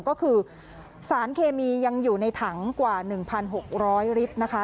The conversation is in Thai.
ก็คือสารเคมียังอยู่ในถังกว่า๑๖๐๐ลิตรนะคะ